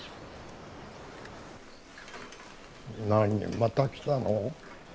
また来たの？